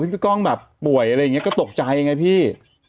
พี่ก้องแบบป่วยอะไรอย่างนี้ก็ตกใจไงพี่